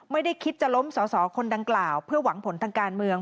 ไม่ได้คิดจะล้มสอสอคนดังกล่าวเพื่อหวังผลทางการเมือง